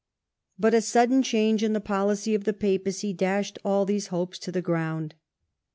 But a sudden change in the policy of the papacy dashed all these hopes to the ground.